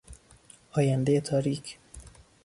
آیندهی تاریک